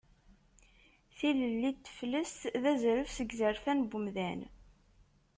Tilelli n teflest d azref seg izerfan n wemdan.